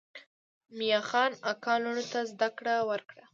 میاخان اکا لوڼو ته زده کړه ورکړه.